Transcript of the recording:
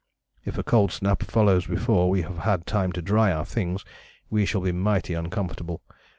If a cold snap follows before we have had time to dry our things, we shall be mighty uncomfortable.